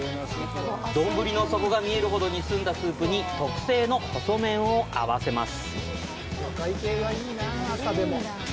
どんぶりの底が見えるほどに澄んだスープに特製の細麺を合わせます。